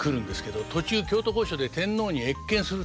途中京都御所で天皇に謁見するためにですね